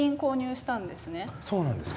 そうなんですか。